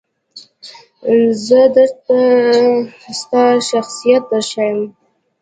زه درته ستا شخصیت درښایم .